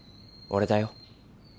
俺だよ。